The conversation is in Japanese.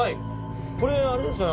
これあれですよね。